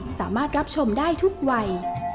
สามารถรับชมได้ทุกวัย